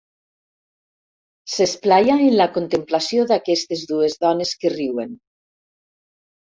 S'esplaia en la contemplació d'aquestes dues dones que riuen.